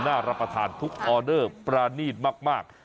รับประทานทุกออเดอร์ประนีตมาก